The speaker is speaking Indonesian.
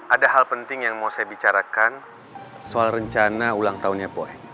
ada hal penting yang mau saya bicarakan soal rencana ulang tahunnya poin